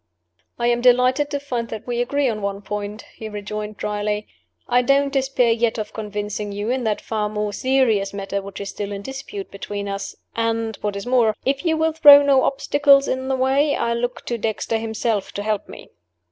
"I am delighted to find that we agree on one point," he rejoined, dryly. "I don't despair yet of convincing you in that far more serious matter which is still in dispute between us. And, what is more, if you will throw no obstacles in the way, I look to Dexter himself to help me."